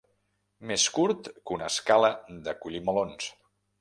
Més curt que una escala de collir melons.